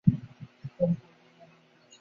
কিছু এলাকা বিদ্যুৎবিহীন হয়ে পড়েছে।